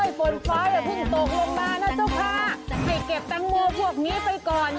ฝนฟ้าอย่าเพิ่งตกลงมานะเจ้าค่ะให้เก็บแตงโมพวกนี้ไปก่อน